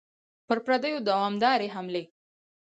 پر پردیو دوامدارې حملې.